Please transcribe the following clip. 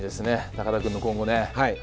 高田君の今後ね。